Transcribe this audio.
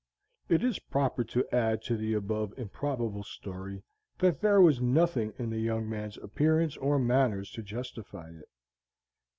It is proper to add to the above improbable story, that there was nothing in the young man's appearance or manners to justify it.